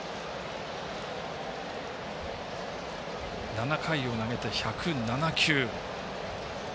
７回を投げて、１０７球。